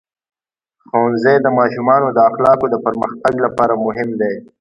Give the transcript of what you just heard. ښوونځی د ماشومانو د اخلاقو د پرمختګ لپاره مهم دی.